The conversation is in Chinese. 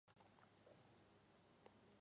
赞助是一种双方得益的公共关系活动。